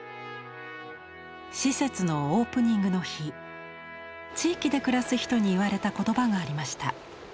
施設のオープニングの日地域で暮らす人に言われた言葉がありました。